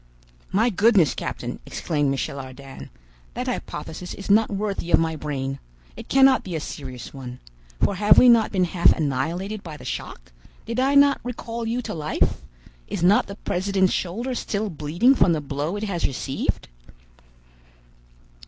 "My goodness, captain," exclaimed Michel Ardan, "that hypothesis is not worthy of my brain! It cannot be a serious one. For have we not been half annihilated by the shock? Did I not recall you to life? Is not the president's shoulder still bleeding from the blow it has received?"